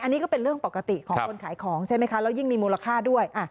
อันนี้ก็เป็นเรื่องปกติของคนขายของใช่ไหมคะแล้วยิ่งมีมูลค่าด้วย